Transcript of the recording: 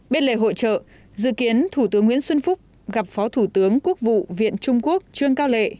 bên lề hội trợ dự kiến thủ tướng nguyễn xuân phúc gặp phó thủ tướng quốc vụ viện trung quốc trương cao lệ